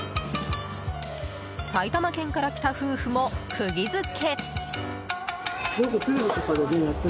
埼玉県から来た夫婦も釘付け。